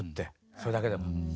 それだけでも。